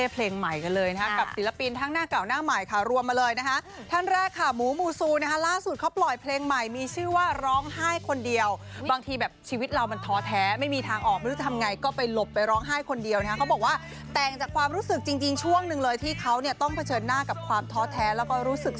เพลงใหม่กันเลยนะฮะกับศิลปินทั้งหน้าเก่าหน้าใหม่ค่ะรวมมาเลยนะคะท่านแรกค่ะหมูมูซูนะคะล่าสุดเขาปล่อยเพลงใหม่มีชื่อว่าร้องไห้คนเดียวบางทีแบบชีวิตเรามันท้อแท้ไม่มีทางออกไม่รู้จะทำไงก็ไปหลบไปร้องไห้คนเดียวนะฮะเขาบอกว่าแต่งจากความรู้สึกจริงช่วงหนึ่งเลยที่เขาเนี่ยต้องเผชิญหน้ากับความท้อแท้แล้วก็รู้สึก